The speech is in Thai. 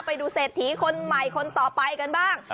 ไปดูเศรษฐีคนใหม่คนต่อไปกันบ้าง